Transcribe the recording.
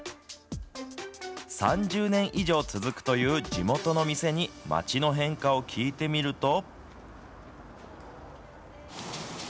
３０年以上続くという地元の店に、町の変化を聞いてみると。